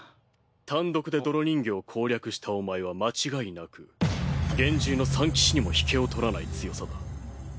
単独で泥人形を攻略したお前は間違いなく幻獣の三騎士にも引けを取らない強さだ。